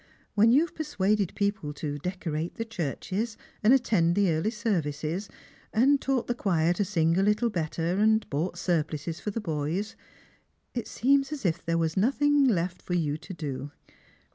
When you have persuaded people to de« corate the churches, and attend the early services, and taught the choir to sing a little better, and bought surplices for the boys, it eeems as if there was nothing left for you to do.